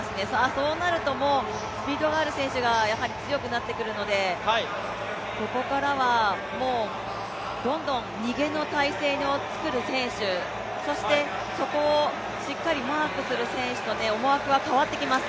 そうなるとスピードのある選手が強くなってくるのでここからはもうどんどん逃げの体制をつくる選手、そして、そこをしっかりマークする選手と思惑が変わってきます。